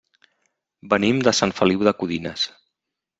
Venim de Sant Feliu de Codines.